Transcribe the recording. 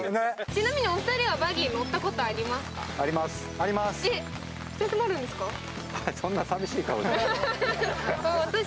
ちなみにお二人はバギー、乗ったことありますか？